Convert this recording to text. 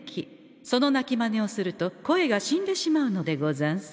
その鳴きマネをすると声が死んでしまうのでござんす。